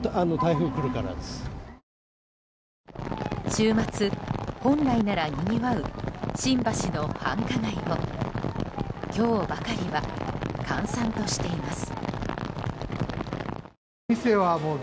週末、本来ならにぎわう新橋の繁華街も今日ばかりは閑散としています。